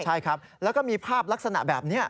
ใช่ครับแล้วก็มีภาพลักษณะแบบนี้